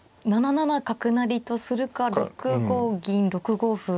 ７七角成とするか６五銀６五歩。